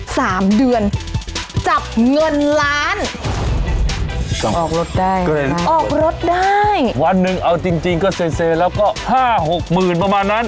สามเดือนจับเงินล้านกลับออกรถได้เกรงออกรถได้วันหนึ่งเอาจริงจริงก็เซเซแล้วก็ห้าหกหมื่นประมาณนั้น